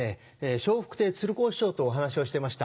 笑福亭鶴光師匠とお話をしてました。